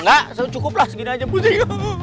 enggak cukup lah segini aja bu messi